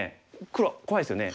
黒怖いですよね。